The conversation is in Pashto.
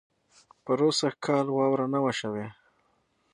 پروسږ کال واؤره نۀ وه شوې